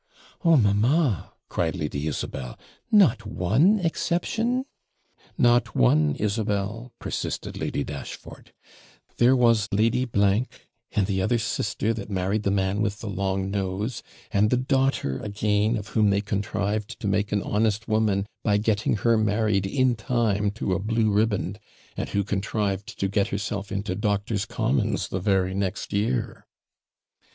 'Oh mamma!' cried Lady Isabel, 'not one exception?' 'Not one, Isabel,' persisted Lady Dashfort; 'there was Lady , and the other sister, that married the man with the long nose; and the daughter again, of whom they contrived to make an honest woman, by getting her married in time to a BLUE RIBBAND, and who contrived to get herself into Doctors' Commons the very next year.'